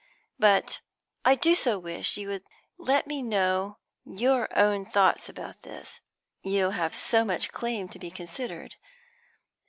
But I do so wish you would let me know your own thoughts about this. You have so much claim to be considered.